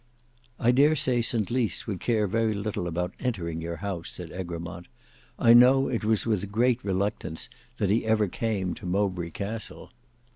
"I dare say St Lys would care very little about entering your house," said Egremont. "I know it was with great reluctance that he ever came to Mowbray Castle."